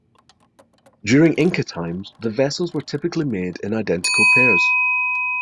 During Inca times, the vessels were typically made in identical pairs.